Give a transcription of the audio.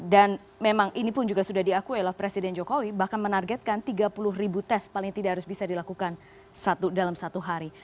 dan memang ini pun sudah diakui presiden jokowi bahkan menargetkan tiga puluh ribu test paling tidak harus bisa dilakukan dalam satu hari